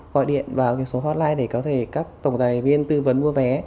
gọi điện vào số hotline để có thể các tổng tài viên tư vấn mua vé